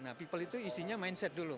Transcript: nah people itu isinya mindset dulu